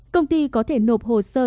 công ty có thể nộp hồ sơ